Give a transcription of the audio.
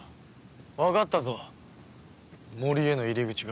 わかったぞ森への入り口が。